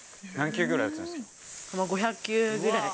５００球ぐらい。